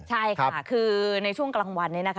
ใช่ค่ะคือในช่วงกลางวันนี้นะคะ